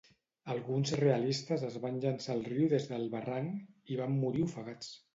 Alguns realistes es van llançar al riu des del barranc i van morir ofegats.